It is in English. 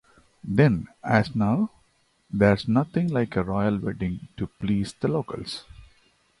Then, as now, there's nothing like a Royal Wedding to please the locals.